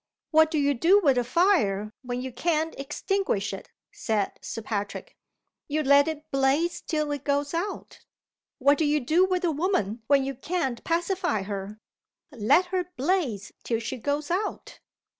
"What do you do with a fire, when you can't extinguish it?" said Sir Patrick. "You let it blaze till it goes out. What do you do with a woman when you can't pacify her? Let her blaze till she goes out."